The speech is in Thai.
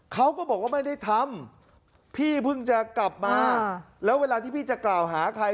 เขาก็บอกว่าไม่ได้ทำพี่เพิ่งจะกลับมาแล้วเวลาที่พี่จะกล่าวหาใคร